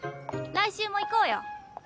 来週も行こうよ。